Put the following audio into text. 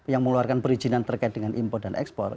yang mengeluarkan perizinan terkait dengan import dan export